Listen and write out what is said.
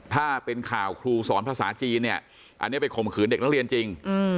ถ้าเป็นข่าวครูสอนภาษาจีนเนี่ยอันนี้ไปข่มขืนเด็กนักเรียนจริง